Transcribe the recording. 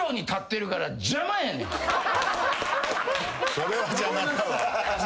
それは邪魔だわ。